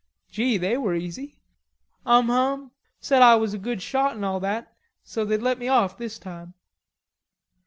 "Gee, they were easy." "Um hum, said Ah was a good shot an' all that, so they'd let me off this time."